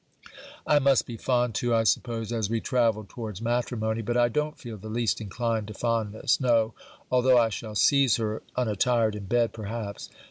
I must be fond too, I suppose, as we travel towards matrimony; but I don't feel the least inclined to fondness! No! although I shall seize her unattired in bed, perhaps.